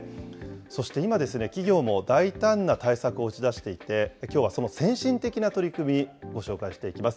そして今、企業も大胆な対策を打ち出していて、きょうはその先進的な取り組み、ご紹介していきます。